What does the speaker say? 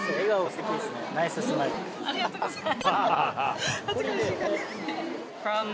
ありがとうございます。